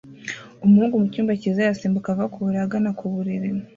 Umuhungu mucyumba cyiza arasimbuka ava ku buriri agana ku buriri